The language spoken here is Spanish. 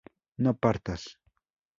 no partas